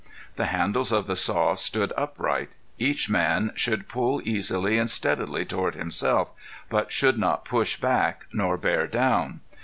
The handles of the saw stood upright. Each man should pull easily and steadily toward himself, but should not push back nor bear down.